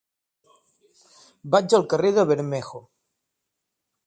Vaig al carrer de Bermejo.